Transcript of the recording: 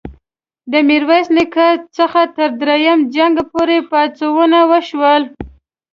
د میرویس نیکه څخه تر دریم جنګ پوري پاڅونونه وشول.